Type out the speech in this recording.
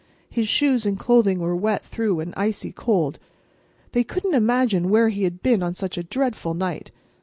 His shoes and clothing were wet through and icy cold. They couldn't imagine where he had been on such a dreadful night.